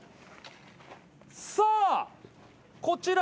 さあこちら。